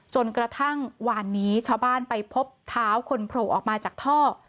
จนกระทั่งวานนี้ชาวบ้านไปพบเท้าคนโผล่ออกมาจากท่อ